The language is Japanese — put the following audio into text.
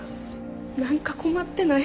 何か困ってない？